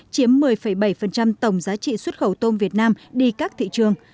chiếm một mươi bảy tổng giá trị xuất khẩu tôm việt nam đi các thị trường